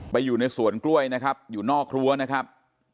อยู่ในสวนกล้วยนะครับอยู่นอกรั้วนะครับ